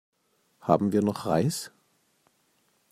Haben wir noch Reis?